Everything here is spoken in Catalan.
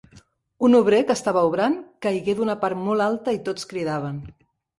Un obrer que estava obrant caigué d’una part molt alta i tots cridaven.